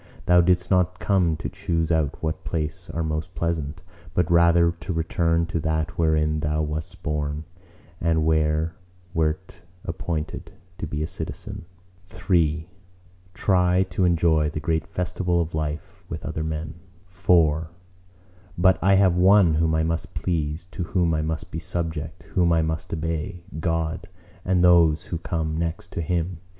Thou didst not come to choose out what places are most pleasant; but rather to return to that wherein thou wast born and where wert appointed to be a citizen." III Try to enjoy the great festival of life with other men. IV But I have one whom I must please, to whom I must be subject, whom I must obey:—God, and those who come next to Him.